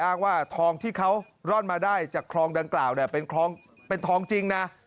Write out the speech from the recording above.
อ้างว่าทองที่เขาร่อนมาได้จากคลองดังกล่าวเนี่ยเป็นทองจริงนะ